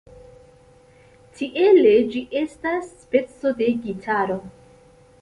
Tiele ĝi estas speco de gitaro.